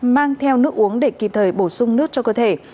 mang theo nước uống để kịp thời bổ sung nước cho cơ thể